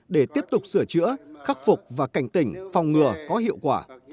để tiếp tục sửa chữa khắc phục và cảnh tỉnh phòng ngừa có hiệu quả